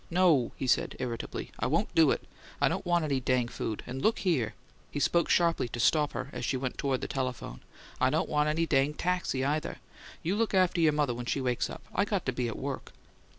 "No," he said, irritably. "I won't do it! I don't want any dang food! And look here" he spoke sharply to stop her, as she went toward the telephone "I don't want any dang taxi, either! You look after your mother when she wakes up. I got to be at WORK!"